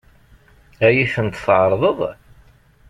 Ad iyi-tent-tɛeṛḍeḍ?